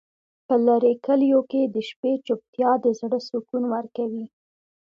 په لرې کلیو کې د شپې چوپتیا د زړه سکون ورکوي.